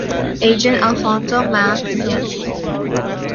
Agent Alphonso "Mack" MacKenzie.